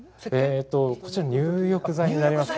こちら、入浴剤になります。